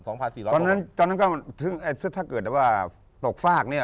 นั้นก็เชื่อถ้าเกิดละว่าตกฟากเนี่ย